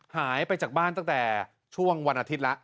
หายไปจากบ้านตั้งแต่ช่วงวันอาทิตย์แล้ว